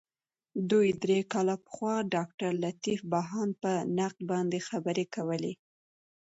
دوه درې کاله پخوا ډاګټرلطیف بهاند په نقد باندي خبري کولې.